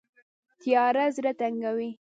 تیاره زړه تنګوي